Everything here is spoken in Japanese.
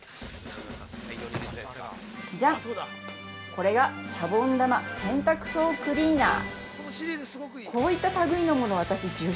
これが、シャボン玉洗たく槽クリーナー。